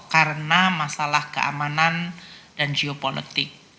karena masalah keamanan dan geopolitik